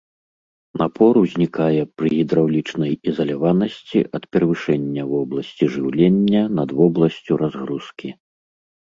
Напор узнікае пры гідраўлічнай ізаляванасці ад перавышэння вобласці жыўлення над вобласцю разгрузкі.